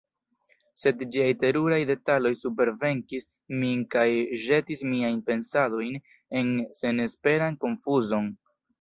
Sed ĝiaj teruraj detaloj supervenkis min kaj ĵetis miajn pensadojn en senesperan konfuzon.